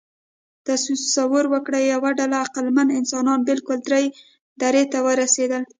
تصور وکړئ، یوه ډله عقلمن انسانان بالکان درې ته ورسېدل.